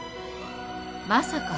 まさか。